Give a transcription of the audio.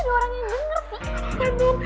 ada orang yang denger sih